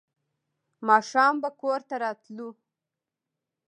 ماښام به کور ته راتلو.